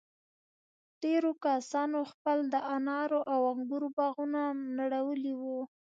ډېرو کسانو خپل د انارو او انگورو باغونه نړولي وو.